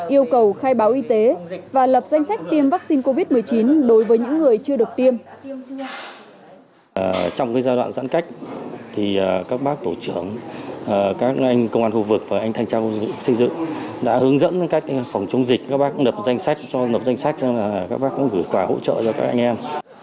yêu cầu khai báo y tế và lập danh sách tiêm vaccine covid một mươi chín đối với những người chưa được tiêm